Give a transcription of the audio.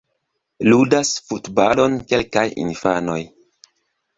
Ludas futbalon kelkaj infanoj.